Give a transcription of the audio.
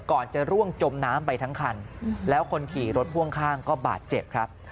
ก่อนจะร่วงจมน้ำไปทั้งคันแล้วคนขี่รถพ่วงข้างก็บาดเจ็บครับ